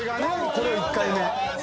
これ１回目。